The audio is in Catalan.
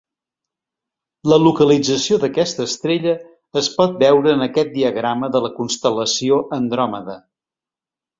La localització d'aquesta estrella es pot veure en aquest diagrama de la constel·lació Andròmeda.